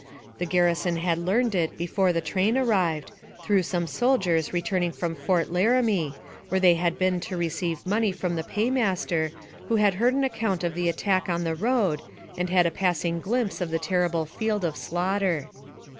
The gar rison had learned it before the train arrived, through some soldiers returning from Fort Laramie, where they had been to receive money from the paymaster, who had heard an account of the attack on the road, and had a passing glimpse of the terrible field of slaughter.